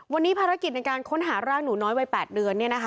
วันนี้ภารกิจในการค้นหาร่างหนูน้อยวัย๘เดือน